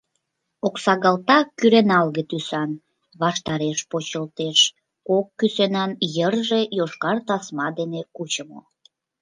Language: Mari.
— Оксагалта кӱреналге тӱсан, ваштареш почылтеш, кок кӱсенан, йырже йошкар тасма дене кучымо.